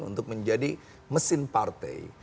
untuk menjadi mesin partai